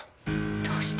どうして？